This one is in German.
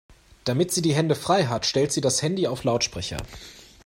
Damit sie die Hände frei hat, stellt sie das Handy auf Lautsprecher.